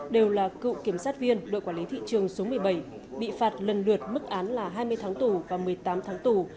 đều là cựu kiểm sát viên đội quản lý thị trường số một mươi bảy bị phạt lần lượt mức án là hai mươi tháng tù và một mươi tám tháng tù